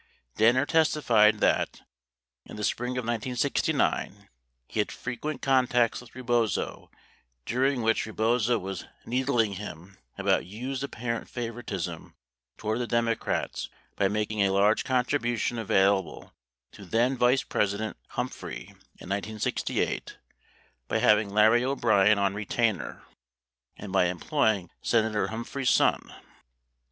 Danner testified that, in the spring of 1969, he had frequent con tacts with Rebozo during which Rebozo was "needling" 27 him about Hughes' apparent favoritism toward the Democrats by making a large contribution available to then Vice President Humphrey in 1968, by having Larry O'Brien on retainer, and by employing Senator Humphrey's son.